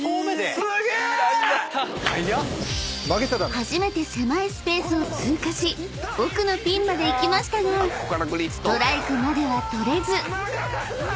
［初めて狭いスペースを通過し奥のピンまで行きましたがストライクまでは取れず］